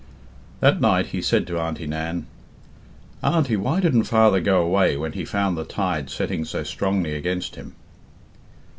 That night he said to Auntie Nan, "Auntie, why didn't father go away when he found the tide setting so strongly against him?"